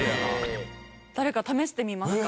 誰か試してみますか？